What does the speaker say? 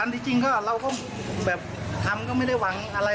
อันที่จริงเราก็ทำไม่ได้หวังอะไร